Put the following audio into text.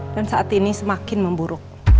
dan saat ini semakin memburuk